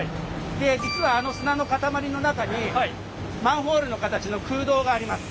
で実はあの砂の塊の中にマンホールの形の空洞があります。